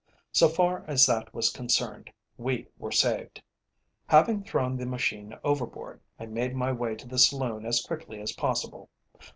So far as that was concerned, we were saved. Having thrown the machine overboard, I made my way to the saloon as quickly as possible.